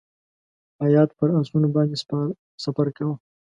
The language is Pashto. هیات پر آسونو باندې سفر کاوه.